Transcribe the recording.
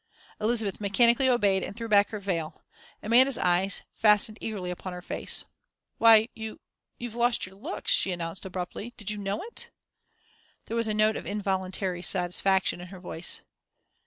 Elizabeth mechanically obeyed and threw back her veil. Amanda's eyes fastened eagerly upon her face. "Why, you you've lost your looks," she announced, abruptly. "Did you know it?" There was a note of involuntary satisfaction in her voice.